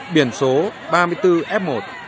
biển số ba mươi bốn f một tám nghìn sáu mươi bốn